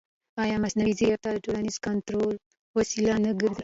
ایا مصنوعي ځیرکتیا د ټولنیز کنټرول وسیله نه ګرځي؟